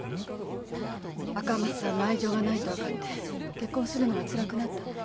赤松さんの愛情がないと分かって結婚するのがつらくなったの。